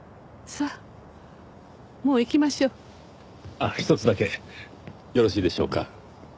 あっひとつだけよろしいでしょうか？